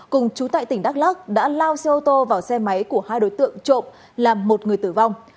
cùng chú tại tỉnh đắk lắc đã lao xe ô tô vào xe máy của hai đối tượng trộm làm một người tử vong